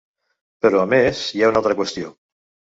Però a més, hi ha una altra qüestió.